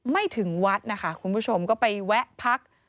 ไม่ถึงวัดนะคะคุณผู้ชมก็ไปแวะพัก